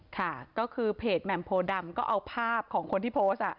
ค่ะก็คือเพจแหม่มโพดำก็เอาภาพของคนที่โพสต์